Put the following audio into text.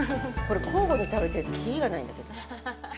交互に食べてると切りがないんだけど。